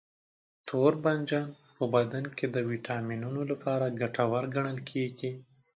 توربانجان په بدن کې د ویټامینونو لپاره ګټور ګڼل کېږي.